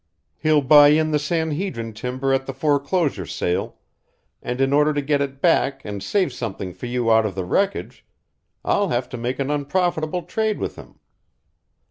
He'll buy in the San Hedrin timber at the foreclosure sale, and in order to get it back and save something for you out of the wreckage, I'll have to make an unprofitable trade with him.